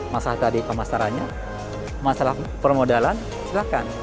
masalah tadi pemasarannya masalah permodalan silahkan